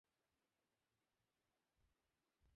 কিন্তু আপনি আমার কথা শোনেন নাই।